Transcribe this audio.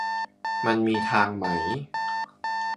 มันมีทางไหม